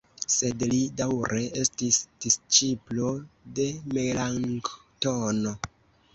Sed li daŭre estis disĉiplo de Melanktono.